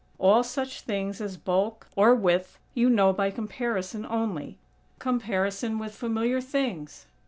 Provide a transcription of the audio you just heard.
All such things as bulk, or width, you know by comparison only; comparison with familiar things.